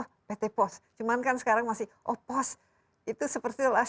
karena pt pos cuman kan sekarang masih oh pos itu seperti lah